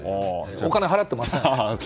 お金払ってません。